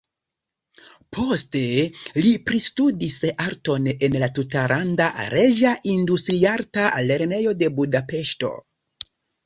Poste li pristudis arton en la Tutlanda Reĝa Industriarta Lernejo de Budapeŝto.